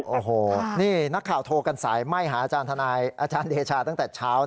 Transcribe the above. โอ้โหนี่นักข่าวโทรกันสายไหม้หาอาจารย์ทนายอาจารย์เดชาตั้งแต่เช้า